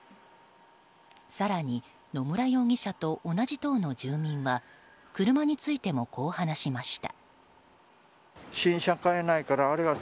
更に、野村容疑者と同じ棟の住民は車についてもこう話しました。